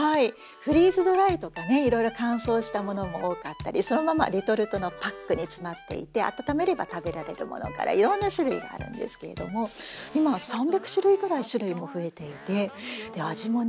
フリーズドライとかねいろいろ乾燥したものも多かったりそのままレトルトのパックに詰まっていて温めれば食べられるものからいろんな種類があるんですけれども今は３００種類ぐらい種類も増えていて味もね